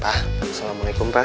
pa assalamualaikum pa